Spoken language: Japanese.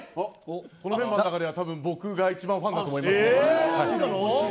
このメンバーの中では僕が一番ファンだと思いますね。